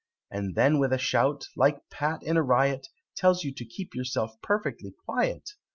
And then with a shout, like Pat in a riot, Tells you to keep yourself perfectly quiet!